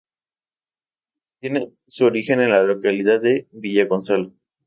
Tiene su origen en la localidad de Villagonzalo.